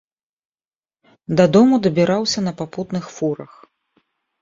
Дадому дабіраўся на папутных фурах.